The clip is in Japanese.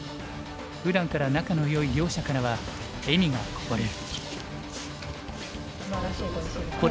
ふだんから仲のよい両者からは笑みがこぼれる。